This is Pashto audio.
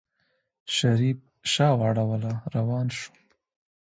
شريف شا واړوله روان شو.